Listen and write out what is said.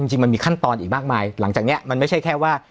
จริงมันมีขั้นตอนอีกมากมายหลังจากนี้มันไม่ใช่แค่ว่า